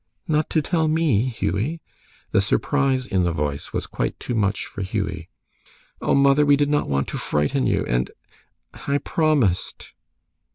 "Not to tell me, Hughie?" The surprise in the voice was quite too much for Hughie. "Oh, mother, we did not want to frighten you and I promised."